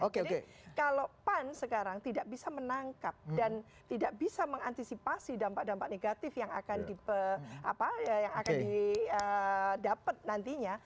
jadi kalau pan sekarang tidak bisa menangkap dan tidak bisa mengantisipasi dampak dampak negatif yang akan didapat nantinya